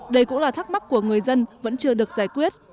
đây cũng là thắc mắc của người dân vẫn chưa được giải quyết